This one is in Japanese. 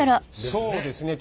そうですね。